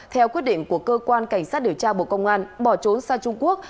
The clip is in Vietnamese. theo quyết định của cơ quan cảnh sát điều tra bộ công an bỏ trốn sang trung quốc